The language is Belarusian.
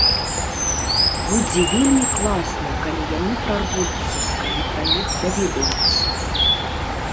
Будзе вельмі класна, калі яны прарвуцца, калі пра іх даведаюцца.